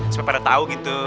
supaya pada tahu gitu